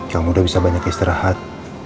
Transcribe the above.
kamu udah bisa banyak istirahat